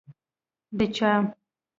د چا؟